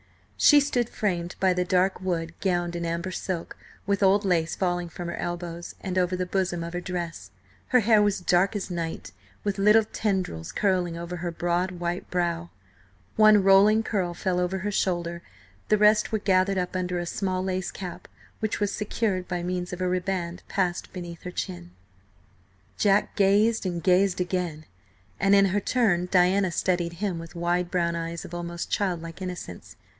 She stood framed by the dark wood, gowned in amber silk, with old lace falling from her elbows and over the bosom of her dress. Her hair was dark as night, with little tendrils curling over her broad, white brow. One rolling curl fell over her shoulder, the rest were gathered up under a small lace cap, which was secured by means of a riband passed beneath her chin. A Dress of Spitalfields Silk. About the middle of the 18th Century. from Old English Costumes, c. 1908, p. 19. Jack gazed, and gazed again, and in her turn Diana studied him with wide brown eyes of almost childlike innocence.